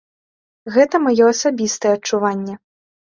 Гэта маё асабістае адчуванне.